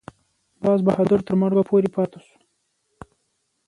باز بهادر تر مرګه پورې پاته شو.